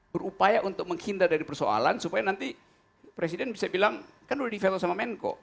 berupaya untuk menghindar dari persoalan supaya nanti presiden bisa bilang kan udah di veto sama menko